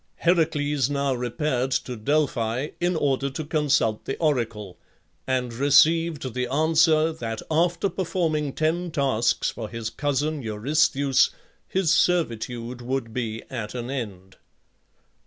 Heracles now repaired to Delphi in order to consult the oracle, and received the answer that after performing ten tasks for his cousin Eurystheus his servitude would be at an end.